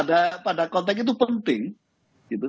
pada konteks itu penting gitu